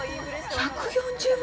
１４０倍？